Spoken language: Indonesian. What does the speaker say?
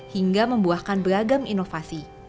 hingga membuahkan beragam inovasi